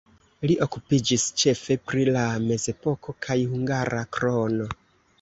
Li okupiĝis ĉefe pri la mezepoko kaj hungara krono.